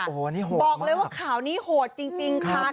โอ้โหนี่โหดบอกเลยว่าข่าวนี้โหดจริงค่ะ